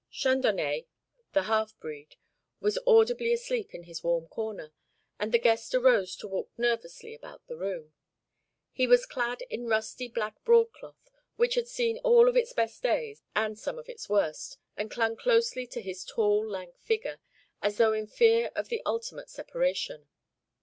Chandonnais, the half breed, was audibly asleep in his warm corner, and the guest arose to walk nervously about the room. He was clad in rusty black broadcloth, which had seen all of its best days and some of its worst, and clung closely to his tall, lank figure, as though in fear of the ultimate separation.